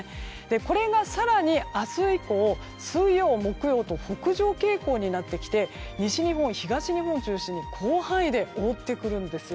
これが更に明日以降水曜、木曜と北上傾向になってきて西日本、東日本中心に広範囲で覆ってくるんです。